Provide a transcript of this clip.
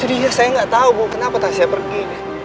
ya sudah iya saya gak tau bu kenapa tasha pergi